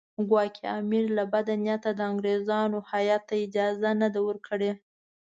ګواکې امیر له بده نیته د انګریزانو هیات ته اجازه نه ده ورکړې.